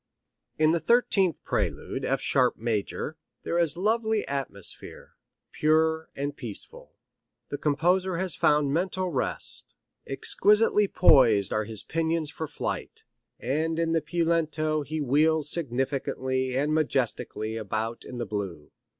In the thirteenth prelude, F sharp major, here is lovely atmosphere, pure and peaceful. The composer has found mental rest. Exquisitely poised are his pinions for flight, and in the piu lento he wheels significantly and majestically about in the blue.